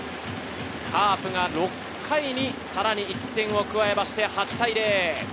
カープが６回にさらに１点を加えまして８対０。